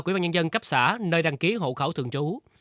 quỹ ban nhân dân cấp xã nơi đăng ký hộ khẩu thường trú